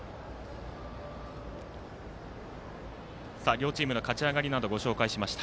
両チームの勝ち上がりなどをご紹介しました。